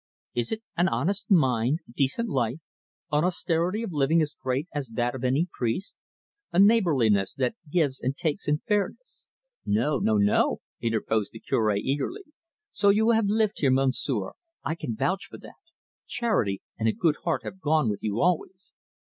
"Is it an honest mind, a decent life, an austerity of living as great as that of any priest, a neighbourliness that gives and takes in fairness " "No, no, no," interposed the Cure eagerly. "So you have lived here, Monsieur; I can vouch for that. Charity and a good heart have gone with you always."